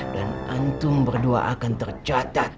antum berdua akan tercatat